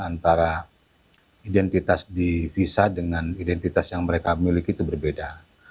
antara identitas di visa dengan identitas yang mereka miliki itu berbeda